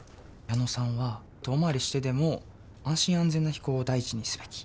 矢野さんは遠回りしてでも安心安全な飛行を第一にすべき。